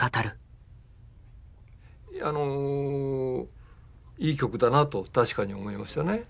あのいい曲だなと確かに思いましたね。